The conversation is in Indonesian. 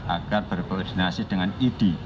agar berkoordinasi dengan idi